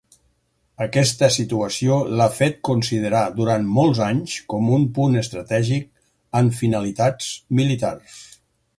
Aquesta situació l'ha fet considerar durant molts anys com un punt estratègic amb finalitats militars.